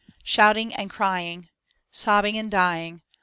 Shouting and crying, Sobbing and dying.